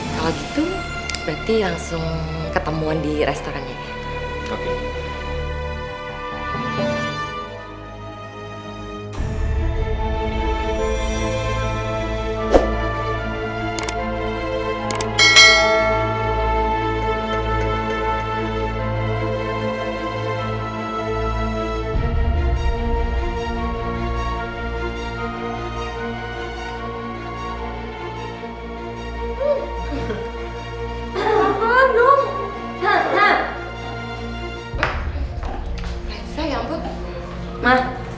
kalau gitu berarti langsung ketemuan di restoran ya